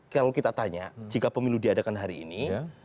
kalau kita tanya jika pemilu diadakan hari ini